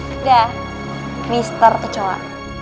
udah mister kecola